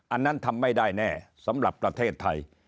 อันนั้นทำไม่ได้แน่สำหรับประเทศไทย